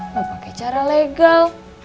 mau pakai cara legal